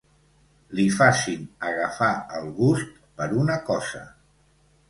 Li facin agafar el gust per una cosa.